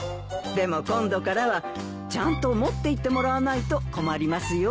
でも今度からはちゃんと持っていってもらわないと困りますよ。